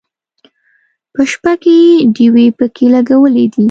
په شپه کې ډیوې پکې لګولې دي.